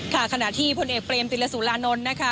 ขณะที่พลเอกเบรมติลสุรานนท์นะคะ